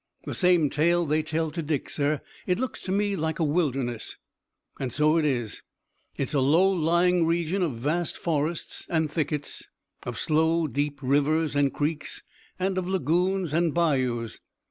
"The same tale they tell to Dick, sir. It looks to me like a wilderness." "And so it is. It's a low lying region of vast forests and thickets, of slow deep rivers and creeks, and of lagoons and bayous.